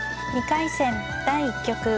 ２回戦第１局。